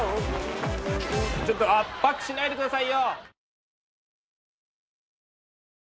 ちょっと圧迫しないで下さいよ！